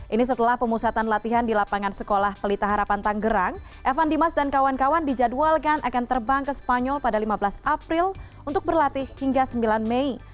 ini setelah pemusatan latihan di lapangan sekolah pelita harapan tanggerang evan dimas dan kawan kawan dijadwalkan akan terbang ke spanyol pada lima belas april untuk berlatih hingga sembilan mei